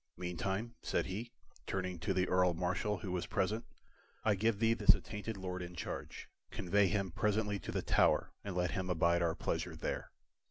Meantime," said he, turning to the Earl Marshal, who was present, "I give thee this attainted Lord in charge. Convey him presently to the Tower, and let him abide our pleasure there.